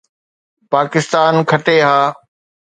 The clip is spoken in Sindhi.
پاڪستان کٽي ها